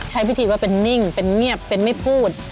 ใช้วิธีว่าเป็นนิ่งเป็นเงียบเป็นไม่พูด